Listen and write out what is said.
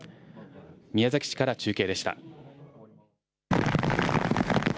宮崎市から中継でした。